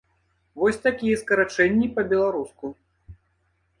Вось такія скарачэнні па-беларуску.